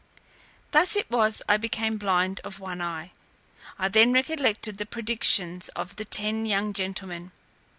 Thus it was I became blind of one eye. I then recollected the predictions of the ten young gentlemen.